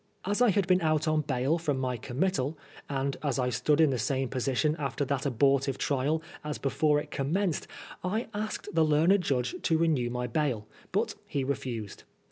As I had been out on bail from my committal, and as I stood in the same position after that abortive trial as before it commenced, I asked the learned judge to renew my bail, but he refused.